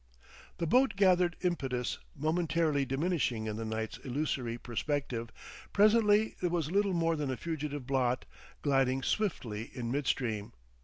The boat gathered impetus, momentarily diminishing in the night's illusory perspective; presently it was little more than a fugitive blot, gliding swiftly in midstream.